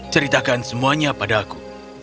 ceritakan semuanya padaku